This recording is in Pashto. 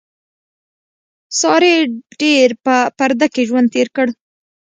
سارې ډېر په پرده کې ژوند تېر کړ.